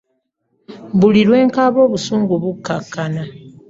Buli lwe nkaaba obusungu bukkakkana.